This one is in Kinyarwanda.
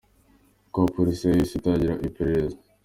Kuva ubwo Police yahise itangira iperereza.